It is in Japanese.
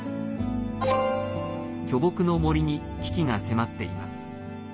巨木の森に危機が迫っています。